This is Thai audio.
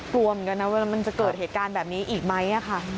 กลัวเหมือนกันนะว่ามันจะเกิดเหตุการณ์แบบนี้อีกไหมค่ะ